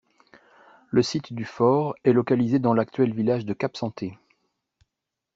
Le site du fort est localisé dans l'actuel village de Cap-Santé.